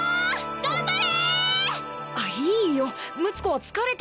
頑張れ！